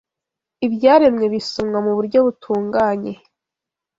Ibyaremwe bisomwa mu buryo butunganye